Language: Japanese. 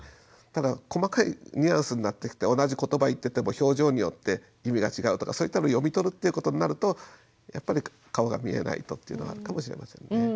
ただ細かいニュアンスになってきて同じことば言ってても表情によって意味が違うとかそういったのを読み取るっていうことになるとやっぱり顔が見えないとというのはあるかもしれませんね。